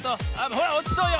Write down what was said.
ほらおちそうよ。